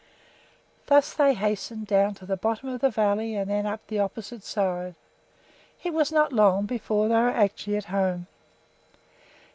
Thus they hastened down to the bottom of the valley and then up the opposite side. It was not long before they were actually at home.